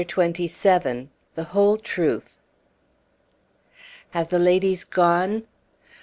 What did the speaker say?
CHAPTER XXVII THE WHOLE TRUTH "Have the ladies gone?"